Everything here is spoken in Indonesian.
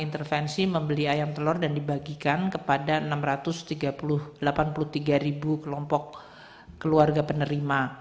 intervensi membeli ayam telur dan dibagikan kepada enam ratus delapan puluh tiga ribu kelompok keluarga penerima